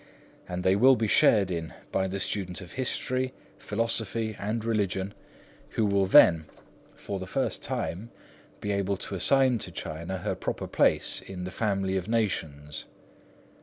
And they will be shared in by the student of history, philosophy, and religion, who will then for the first time be able to assign to China her proper place in the family of nations.